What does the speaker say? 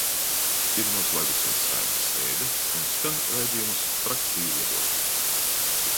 "Ir noslēgusies Saeimas sēde, un skan raidījums "Frakciju viedokļi"."